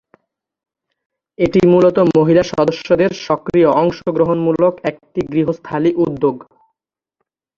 এটি মূলত মহিলা সদস্যদের সক্রিয় অংশগ্রহণমূলক একটি গৃহস্থালী উদ্যোগ।